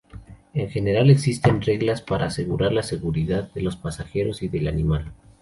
En general, existen reglas para asegurar la seguridad de los pasajeros y del animal.